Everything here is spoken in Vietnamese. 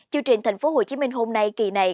chương trình tp hcm hôm nay kỳ này